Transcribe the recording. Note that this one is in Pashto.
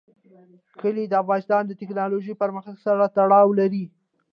کلي د افغانستان د تکنالوژۍ پرمختګ سره تړاو لري.